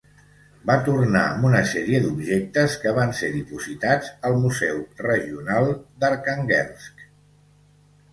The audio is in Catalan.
Va tornar amb una sèrie d'objectes que van ser dipositats al Museu Regional d'Arkhànguelsk.